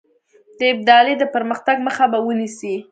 د ابدالي د پرمختګ مخه به ونیسي.